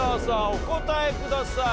お答えください。